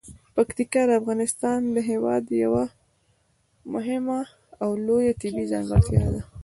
پکتیکا د افغانستان هیواد یوه خورا مهمه او لویه طبیعي ځانګړتیا ده.